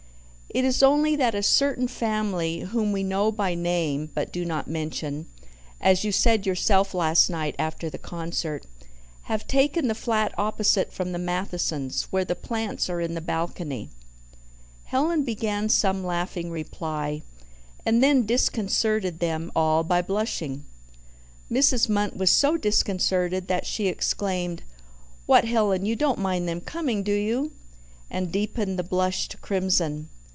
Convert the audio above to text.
"It is only that a certain family, whom we know by name but do not mention, as you said yourself last night after the concert, have taken the flat opposite from the Mathesons where the plants are in the balcony." Helen began some laughing reply, and then disconcerted them all by blushing. Mrs. Munt was so disconcerted that she exclaimed, "What, Helen, you don't mind them coming, do you?" and deepened the blush to crimson.